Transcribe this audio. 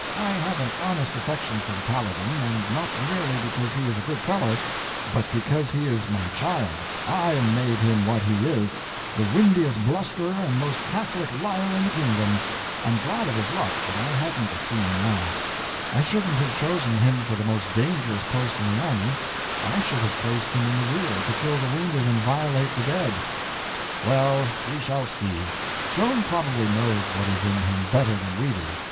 I have an honest affection for the Paladin, and not merely because he is a good fellow, but because he is my child—I made him what he is, the windiest blusterer and most catholic liar in the kingdom. I'm glad of his luck, but I hadn't the seeing eye. I shouldn't have chosen him for the most dangerous post in the army. I should have placed him in the rear to kill the wounded and violate the dead." "Well, we shall see. Joan probably knows what is in him better than we do.